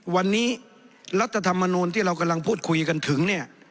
วันนี้รัฐธรรมนูลที่เรากำลังพูดคุยกันถึงเนี่ย